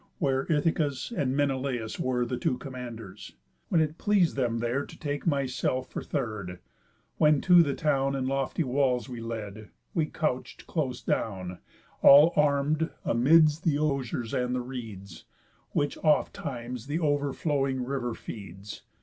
Where Ithacus and Menelaus were The two commanders, when it pleas'd them there To take myself for third, when to the town And lofty walls we led, we couch'd close down, All arm'd, amids the osiers and the reeds, Which oftentimes th' o'er flowing river feeds.